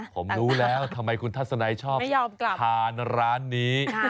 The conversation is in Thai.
ผมรู้แล้วทำไมคุณทัศนัยชอบทานร้านนี้